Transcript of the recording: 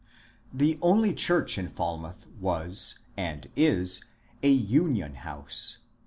The only church in Falmouth was (and is) a ^^ union" house.